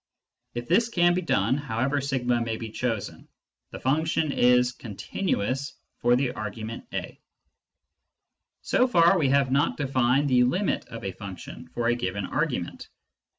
If this can be done, however a may be chosen, the function is " con tinuous " for the argument a. So far we have not defined the " limit " of a function for a given argument.